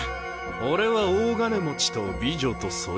俺は大金持ちと美女とそれから。